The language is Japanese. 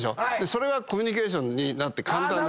それがコミュニケーションになって。